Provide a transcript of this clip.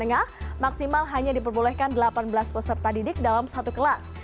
dan dasar dan juga menengah maksimal hanya diperbolehkan delapan belas peserta didik dalam satu kelas